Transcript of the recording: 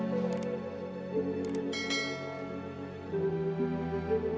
aetniknya juga bu